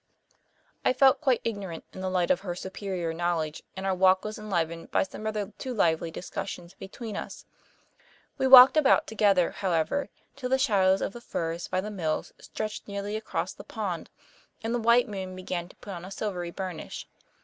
I felt quite ignorant in the light of her superior knowledge, and our walk was enlivened by some rather too lively discussions between us. We walked about together, however, till the shadows of the firs by the mills stretched nearly across the pond and the white moon began to put on a silvery burnish.